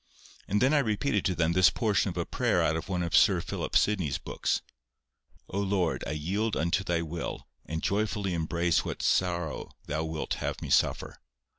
And then I repeated to them this portion of a prayer out of one of Sir Philip Sidney's books:— "O Lord, I yield unto Thy will, and joyfully embrace what sorrow Thou wilt have me suffer.